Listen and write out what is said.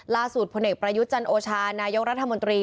ล่าสุดผลเอกประยุทธ์จันโอชานายองรัฐมนตรี